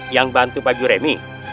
yang bantu pak juremi